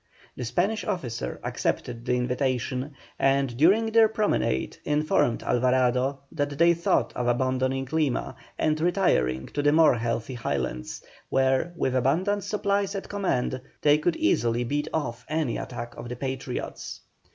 The Spanish officer accepted the invitation, and during their promenade informed Alvarado that they thought of abandoning Lima and retiring to the more healthy Highlands, where, with abundant supplies at command, they could easily beat off any attack of the Patriots.